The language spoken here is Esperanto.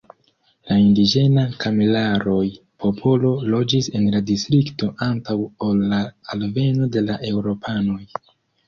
La indiĝena Kamilaroj-popolo loĝis en la distrikto antaŭ ol la alveno de la eŭropanoj.